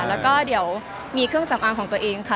แล้วก็เดี๋ยวมีเครื่องสำอางของตัวเองค่ะ